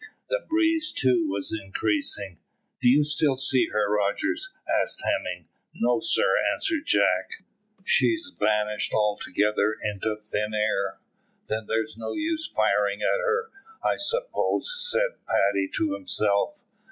The breeze too was increasing. "Do you still see her, Rogers?" asked Hemming. "No, sir," answered Jack. "She's vanished altogether into thin air." "Then there's no use firing at her, I suppose," said Paddy to himself.